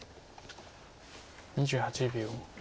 ２８秒。